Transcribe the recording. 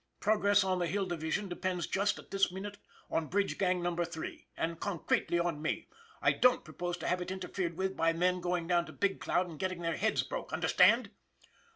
Progress on the Hill Division depends just at this minute on Bridge Gang No. 3, and concretely on me. I don't propose to have it interfered with by the men going down to Big Cloud and getting their heads broke, understand?"